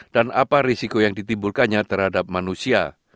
apa risiko yang ditimbulkannya terhadap manusia